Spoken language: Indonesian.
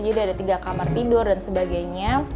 jadi ada tiga kamar tidur dan sebagainya